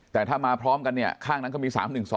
แต่ถ้ามาพร้อมกันเนี่ยข้างนั้นเขามี๓๑๒